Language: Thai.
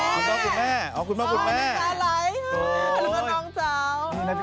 น้องสาหร่ายหรือว่าน้องเจ้า